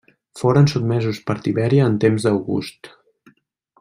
Foren sotmesos per Tiberi en temps d'August.